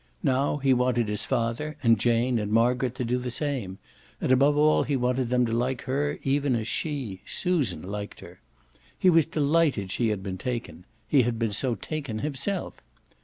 Now he wanted his father and Jane and Margaret to do the same, and above all he wanted them to like her even as she, Susan, liked her. He was delighted she had been taken he had been so taken himself.